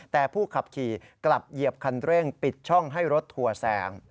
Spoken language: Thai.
แต่ผู้ขับขี่กลับเหยียบคันเร่งปิดช่องให้รถทัวร์แซง